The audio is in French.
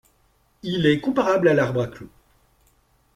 Il est comparable à l'arbre à clous.